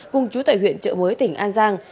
cùng chú tại huyện trợ mới tỉnh an giang